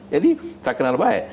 jadi tak kenal baik